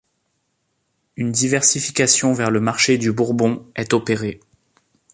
Une diversification vers le marché du Bourbon est opérée.